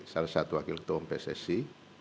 salah satu wakil ketua ump sesi